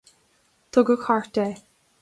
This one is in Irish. Tugadh thart é.